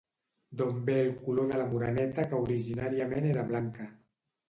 D'on ve el color de la moreneta que originariament era blanca.